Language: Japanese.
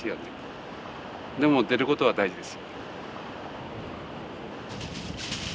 でも出ることは大事です。